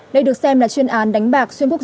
đây được xem là chuyên án đánh bạc xuyên quốc